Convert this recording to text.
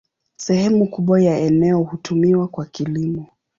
Sehemu kubwa ya eneo hutumiwa kwa kilimo.